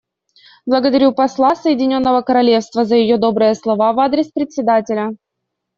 Благодарю посла Соединенного Королевства за ее добрые слова в адрес Председателя.